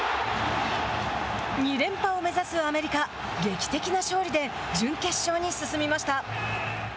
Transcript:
２連覇を目指すアメリカ劇的な勝利で準決勝に進みました。